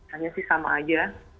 hanya sih sama aja